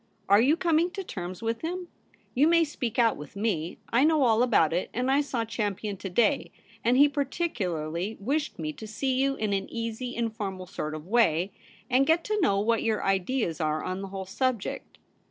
Are you coming to terms with him ? You may speak out with me. I know all about it ; and I saw Champion to day, and he particularly wished me to see you in an easy informal sort of way, and get to know what your ideas are on the whole subject.